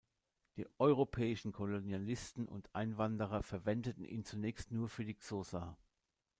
Die europäischen Kolonialisten und Einwanderer verwendeten ihn zunächst nur für die Xhosa.